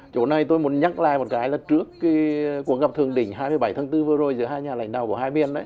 chỗ này tôi muốn nhắc lại một cái là trước cuộc gặp thượng đỉnh hai mươi bảy tháng bốn vừa rồi giữa hai nhà lãnh đạo của hai bên